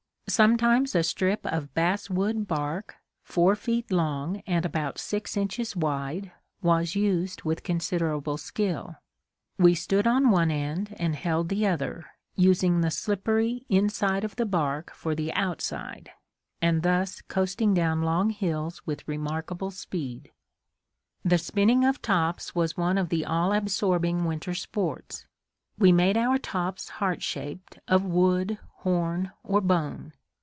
Sometimes a strip of bass wood bark, four feet long and about six inches wide, was used with considerable skill. We stood on one end and held the other, using the slippery inside of the bark for the outside, and thus coasting down long hills with remarkable speed. The spinning of tops was one of the all absorbing winter sports. We made our tops heart shaped of wood, horn or bone.